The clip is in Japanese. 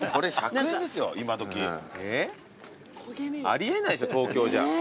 あり得ないですよ東京じゃ。